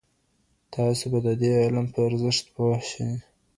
تاسو به د دې علم په ارزښت پوه سئ.